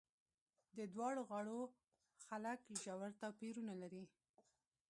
د دواړو غاړو خلک ژور توپیرونه لري.